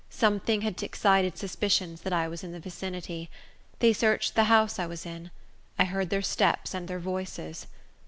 Something had excited suspicions that I was in the vicinity. They searched the house I was in. I heard their steps and their voices.